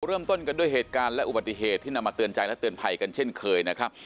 เริ่มต้นกันด้วยเหตุการณ์และอุบัติเหตุที่นำมาเตือนใจและเตือนภัยกันเช่นเคยนะครับ